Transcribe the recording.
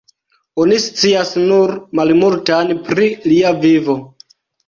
Oni scias nur malmultan pri lia vivo.